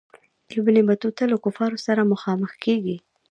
ابن بطوطه له کفارو سره مخامخ کیږي.